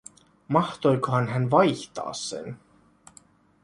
Mahtoikohan hän vaihtaa sen?